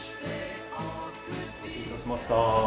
お待たせ致しました。